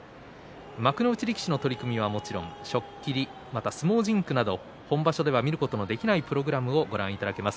幕内力士の取組はもちろん初っ切り、相撲甚句など本場所では見ることのできないプログラムをご覧いただけます。